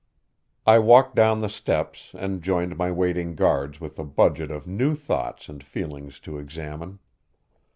I walked down the steps, and joined my waiting guards with a budget of new thoughts and feelings to examine.